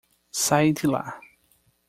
Sai de lá.